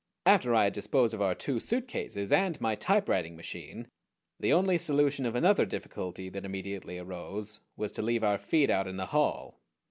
After I had disposed of our two suitcases and my typewriting machine the only solution of another difficulty that immediately arose was to leave our feet out in the hall.